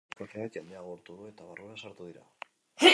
Bikoteak jendea agurtu du eta barrura sartu dira.